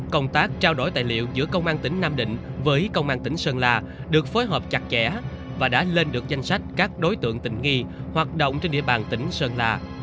công tác trao đổi tài liệu giữa công an tỉnh nam định với công an tỉnh sơn la được phối hợp chặt chẽ và đã lên được danh sách các đối tượng tình nghi hoạt động trên địa bàn tỉnh sơn la